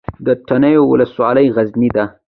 د تڼیو ولسوالۍ غرنۍ ده